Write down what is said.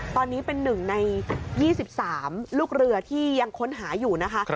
ตอนนี้เป็น๑ใน๒๓ลูกเรือที่ยังค้นหาอยู่นะคะ